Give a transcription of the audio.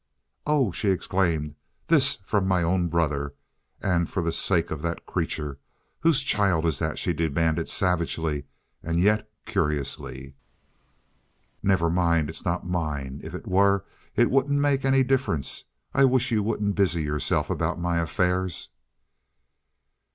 "Oh!" she exclaimed. "This from my own brother! And for the sake of that creature! Whose child is that?" she demanded, savagely and yet curiously. "Never mind, it's not mine. If it were it wouldn't make any difference. I wish you wouldn't busy yourself about my affairs."